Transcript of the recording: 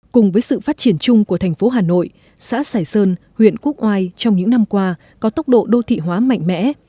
cùng với sự phát triển chung của thành phố hà nội xã sài sơn huyện quốc oai trong những năm qua có tốc độ đô thị hóa mạnh mẽ